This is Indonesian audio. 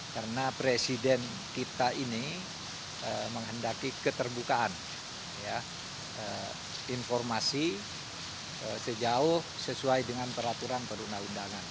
karena presiden kita ini menghendaki keterbukaan informasi sejauh sesuai dengan peraturan perundang undangan